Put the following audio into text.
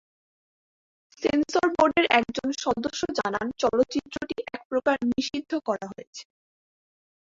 Sensor বোর্ডের একজন সদস্য জানান চলচ্চিত্রটি একপ্রকার নিষিদ্ধ করা হয়েছে।